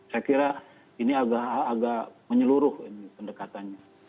saya kira ini agak menyeluruhkan